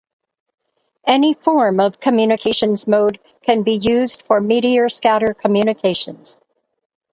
Any form of communications mode can be used for meteor scatter communications.